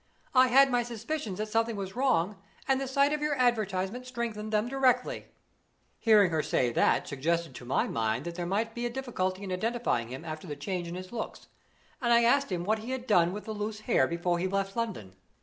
I had my suspicions that something was wrong, and the sight of your advertisement strengthened them directly.' The hearing her say that suggested to my mind that there might be a difficulty in identifying him after the change in his looks, and I asked him what he had done with the loose hair before we left London.